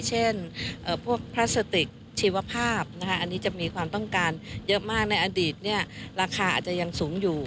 เช่นพวกพลาสติกชีวภาพอันนี้จะมีความต้องการเยอะมากในอดีตราคาอาจจะยังสูงอยู่